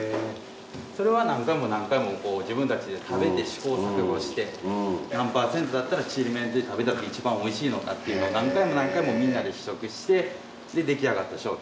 それは何回も何回も自分たちで食べて試行錯誤して何％だったらちりめんで食べたときにいちばんおいしいのかっていうのを何回も何回もみんなで試食して出来上がった商品。